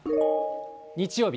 日曜日。